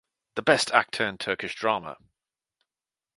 The Best Actor in Turkish Drama.